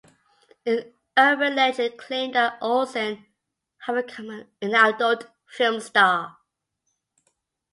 An urban legend claimed that Olsen had become an adult film star.